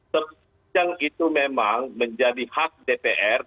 sepanjang itu memang menjadi hak dpr